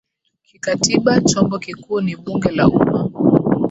Kikatiba chombo kikuu ni Bunge la umma